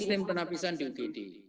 sistem penapisan di igd